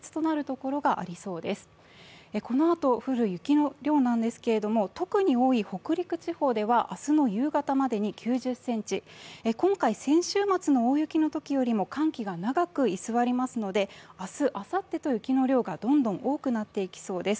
このあと降る雪の量ですけれども、特に多い北陸地方では明日の夕方までに９０ｃｍ、今回先週末の大雪のときよりも寒気が長く居座りますので、明日、あさってと雪の量がどんどん多くなっていきそうです。